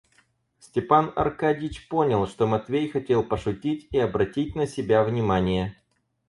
Степан Аркадьич понял, что Матвей хотел пошутить и обратить на себя внимание.